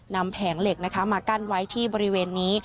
แผงเหล็กนะคะมากั้นไว้ที่บริเวณนี้